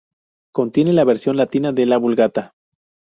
Contiene la versión latina de la Vulgata.